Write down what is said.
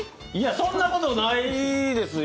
そんなことないですよ